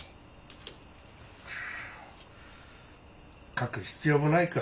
書く必要もないか。